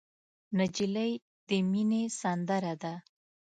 نجلۍ د مینې سندره ده.